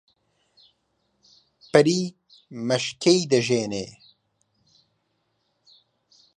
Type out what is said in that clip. پەری مەشکەی دەژێنێ